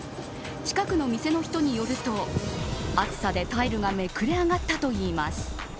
近くの店の人によると暑さでタイルがめくれ上がったといいます。